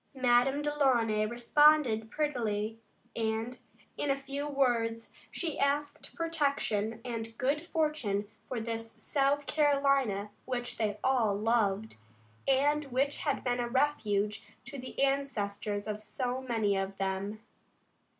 Madame Delaunay responded prettily, and, in a few words, she asked protection and good fortune for this South Carolina which they all loved, and which had been a refuge to the ancestors of so many of them.